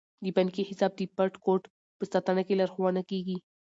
د بانکي حساب د پټ کوډ په ساتنه کې لارښوونه کیږي.